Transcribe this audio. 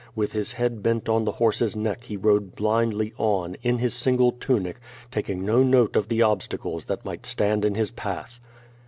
With his head bent on the hoi*se's neck he rode blindly on, in his single tunic, taking no note of the obstacles that might stand in his path.